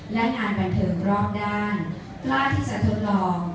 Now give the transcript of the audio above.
และทางบันเทิงรอบด้านกล้าที่จะทดลอง